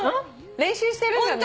練習してるんだね。